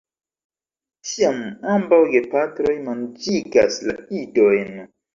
Tiam ambaŭ gepatroj manĝigas la idojn.